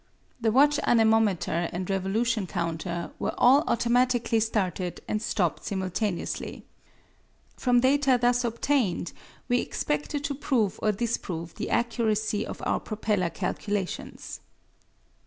The watch, anemometer and revolution counter were all automatically started and stopped simultaneously. From data thus obtained we expected to prove or disprove the accuracy of our propeller calculations.